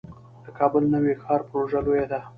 د کابل نوی ښار پروژه لویه ده